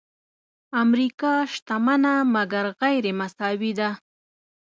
امریکا شتمنه مګر غیرمساوي ده.